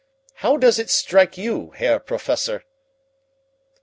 How does it strike you, Herr Professor?"